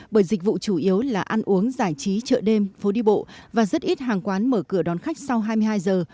bởi dịch vụ chủ yếu là ăn uống giải trí chợ đêm phố đi bộ và rất ít hàng quán mở cửa đón khách sau hai mươi hai giờ